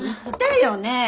言ったよね